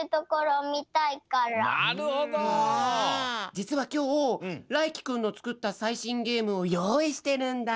じつはきょうらいきくんのつくったさいしんゲームをよういしてるんだ。